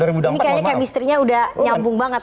ini kayaknya kemisterinya udah nyambung banget